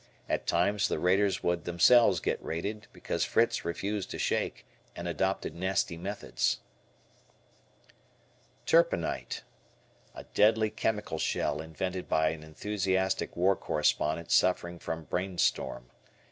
At times the raiders would themselves get raided because Fritz refused to shake and adopted nasty methods. Turpenite. A deadly chemical shell invented by an enthusiastic war correspondent suffering from brain storm.